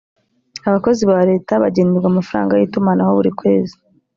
abakozi ba leta bagenerwa amafaranga y’itumanaho buri kwezi